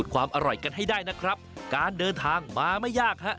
ความอร่อยกันให้ได้นะครับการเดินทางมาไม่ยากฮะ